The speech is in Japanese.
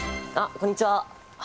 こんにちは。